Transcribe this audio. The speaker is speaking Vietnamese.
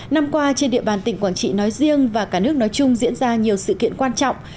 năm qua trên địa bàn tỉnh quảng trị nói riêng và cả nước nói chung diễn ra nhiều sự kiện quan trọng